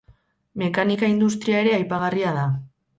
Mekanika industria ere aipagarria da.